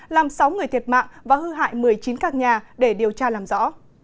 làm sáu người thiệt mạng và hư hại một mươi chín căn nhà để điều tra làm rõ